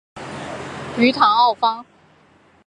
于唐奥方。